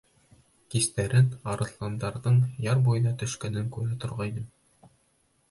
Кистәрен арыҫландарҙың яр буйына төшкәнен күрә торғайным.